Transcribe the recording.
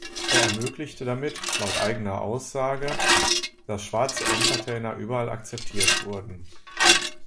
Er ermöglichte damit, laut eigener Aussage, dass schwarze Entertainer überall akzeptiert wurden.